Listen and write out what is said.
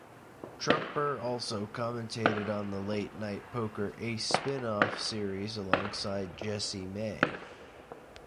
Trumper also commentated on the Late Night Poker Ace spin-off series alongside Jesse May.